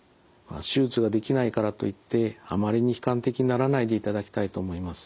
手術ができないからといってあまりに悲観的にならないでいただきたいと思います。